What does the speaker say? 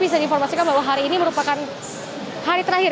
bisa diinformasikan bahwa hari ini merupakan hari terakhir